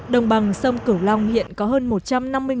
đồng bằng sông cửu long hiện có rất nhiều người với thâm niên